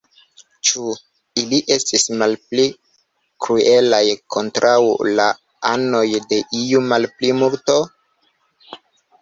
Ĉu ili estis malpli kruelaj kontraŭ la anoj de iu malplimulto?